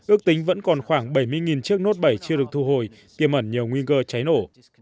ước tính vẫn còn khoảng bảy mươi chiếc note bảy chưa được thu hồi kiềm ẩn nhiều nguyên cơ cháy nổ